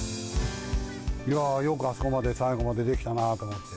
いやー、よくあそこまで最後までできたなと思って。